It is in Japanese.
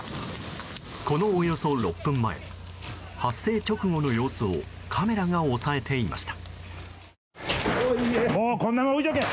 この、およそ６分前発生直後の様子をカメラが押さえていました。